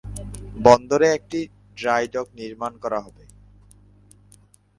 এই ধাপে বন্দরে একটি ড্রাই ডক নির্মাণ করা হবে।